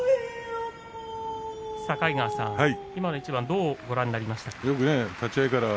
境川さん、今の一番どうご覧になりましたか？